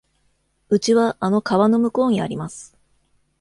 うちはあの川の向こうにあります。